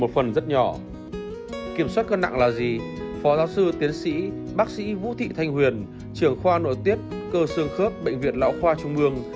phó giáo sư tiến sĩ bác sĩ vũ thị thanh huyền trường khoa nội tiết cơ sương khớp bệnh viện lão khoa trung mương